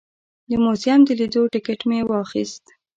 د موزیم د لیدو ټکټ مې واخیست.